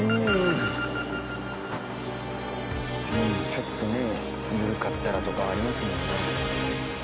ちょっとね緩かったらとかありますもんね。